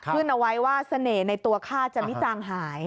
ขึ้นเอาไว้ว่าเสน่ห์ในตัวข้าจะไม่จางหาย